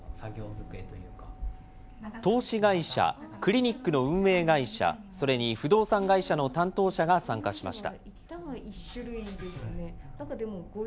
投資会社、クリニックの運営会社、それに不動産会社の担当者が参加しました。